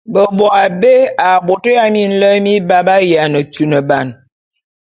Beboabé a bôt ya minlem mibaé b’ayiane tuneban.